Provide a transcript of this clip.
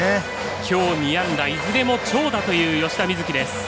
きょう２安打いずれも長打という吉田瑞樹です。